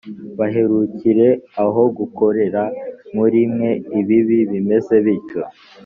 baherukire aho gukorera muri mwe ibibi bimeze bityo.